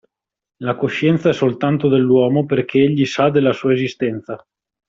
La coscienza è soltanto dell'uomo perché egli sa della sua esistenza.